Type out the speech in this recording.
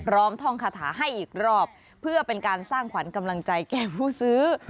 ท่องคาถาให้อีกรอบเพื่อเป็นการสร้างขวัญกำลังใจแก่ผู้ซื้อ